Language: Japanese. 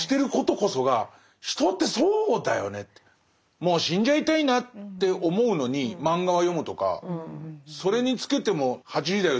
もう死んじゃいたいなって思うのに漫画は読むとかそれにつけても「８時だョ！